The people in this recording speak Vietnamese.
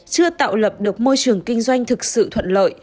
chưa tạo lập được môi trường kinh doanh thực sự thuận lợi